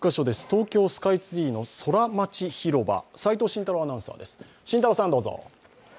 東京スカイツリーのソラマチひろば、齋藤慎太郎アナウンサーです。